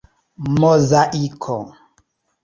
muzaiko